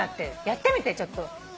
やってみてちょっと。